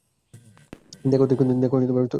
দেখো দেখো দেখো, তোমার টিচার।